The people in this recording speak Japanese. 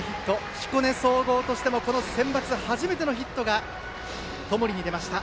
彦根総合としてもこのセンバツ初めてのヒットが友利に出ました。